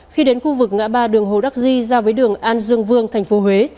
khi đến khu vực ngã ba đường hồ đắc di ra với đường an dương vương thành phố huế